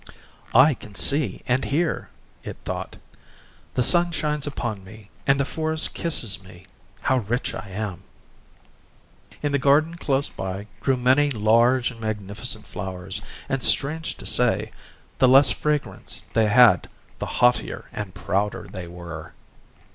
"I can see and hear," it thought; "the sun shines upon me, and the forest kisses me. How rich I am!" In the garden close by grew many large and magnificent flowers, and, strange to say, the less fragrance they had the haughtier and prouder they were.